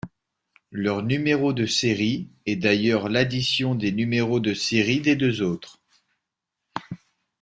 Leur numéro de série, est d'ailleurs l'addition des numéro de série des deux autres.